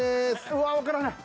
うわわからない。